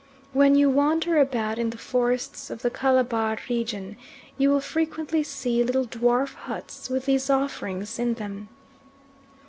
When you wander about in the forests of the Calabar region, you will frequently see little dwarf huts with these offerings in them.